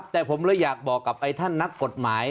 แต่ผมเลยอยากบอกกับไอ้ท่านนักกฎหมาย